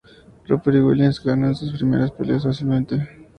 Roper y Williams ganan sus primeras peleas fácilmente.